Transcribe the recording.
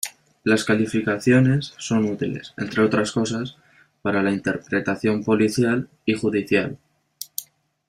Las calificaciones son útiles, entre otras cosas, para la interpretación policial y judicial.